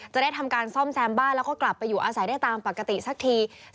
จะได้ทำการซ่อมแซมบ้านแล้วก็กลับไปอยู่อาศัยได้ตามปกติสักที